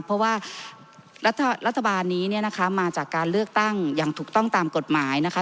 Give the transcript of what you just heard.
เพราะว่ารัฐบาลนี้เนี่ยนะคะมาจากการเลือกตั้งอย่างถูกต้องตามกฎหมายนะคะ